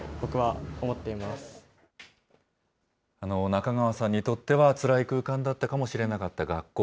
中川さんにとってはつらい空間だったかもしれなかった学校。